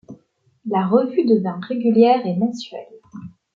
La revue devient régulière et mensuelle.